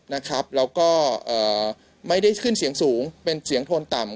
แล้วก็ไม่ได้ขึ้นเสียงสูงเป็นเสียงโทนต่ำ